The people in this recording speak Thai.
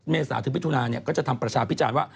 เมษาถึงมิถุนาก็จะทำประชาพิจารณ์ว่า